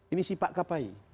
ini sifat kapai